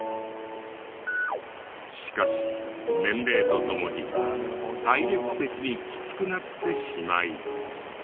しかし年齢とともに体力的にきつくなってしまい。